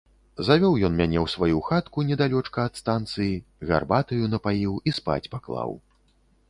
Завёў ён мяне ў сваю хатку, недалёчка ад станцыі, гарбатаю напаіў і спаць паклаў.